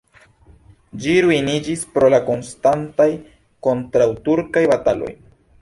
Ĝi ruiniĝis pro la konstantaj kontraŭturkaj bataloj.